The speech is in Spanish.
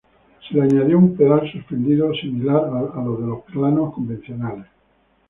Se le añadió un pedal suspendido similar a los de los pianos convencionales.